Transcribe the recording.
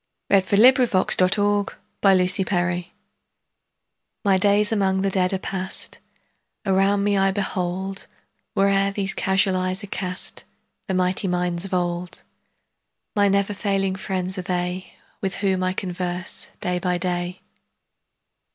1774–1843 556. His Books MY days among the Dead are past; Around me I behold, Where'er these casual eyes are cast, The mighty minds of old: My never failing friends are they, 5 With whom I converse day by day.